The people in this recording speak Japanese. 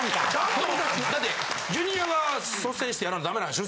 だってジュニアが率先してやらないとダメなんでしょ